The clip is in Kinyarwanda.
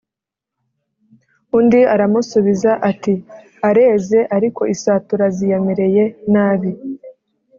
undi aramusubiza ati:"areze ariko isatura ziyamereye nabi